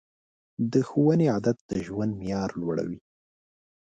د ښوونې عادت د ژوند معیار لوړوي.